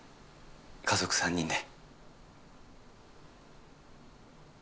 家族３人で。